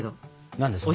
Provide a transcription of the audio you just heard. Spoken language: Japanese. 何ですか？